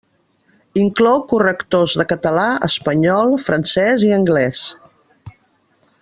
Inclou correctors de català, espanyol, francès i anglès.